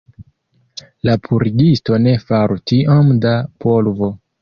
La purigisto ne faru tiom da polvo!